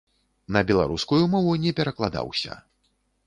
На беларускую мову не перакладаўся.